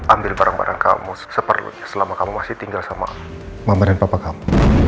ambil barang barang kamu seperlunya selama kamu masih tinggal sama mama dan papa kamu